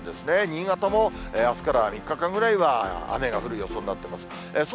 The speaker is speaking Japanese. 新潟もあすから３日間ぐらいは雨が降る予想になってます。